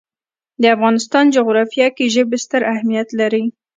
د افغانستان جغرافیه کې ژبې ستر اهمیت لري.